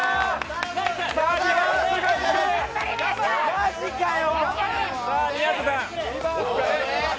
マジかよ！